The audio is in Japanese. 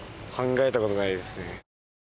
考えたことないですね